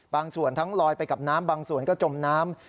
บางส่วนทั้งลอยไปกับน้ำบางส่วนก็จมน้ำ